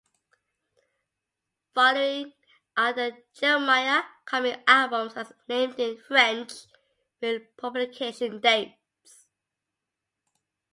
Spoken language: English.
Following are the "Jeremiah" comic albums as named in French, with publication dates.